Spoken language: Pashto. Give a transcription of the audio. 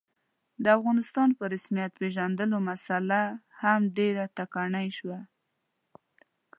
د افغانستان په رسمیت پېژندلو مسعله هم ډېره ټکنۍ شوله.